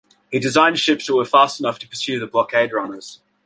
He designed ships that were fast enough to pursue the blockade runners.